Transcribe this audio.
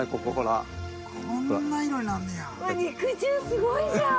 うわっ肉汁すごいじゃん！